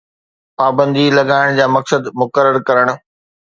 پابندي لڳائڻ جا مقصد مقرر ڪرڻ